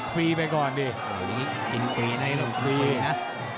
ฟรีไปก่อนดิอย่างนี้กินฟรีในลูกฟรีนะ